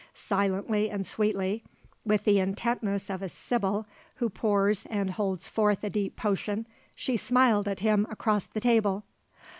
Silently and sweetly, with the intentness of a sibyl who pours and holds forth a deep potion, she smiled at him across the table.